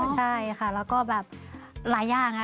ใช่ค่ะแล้วก็แบบหลายอย่าง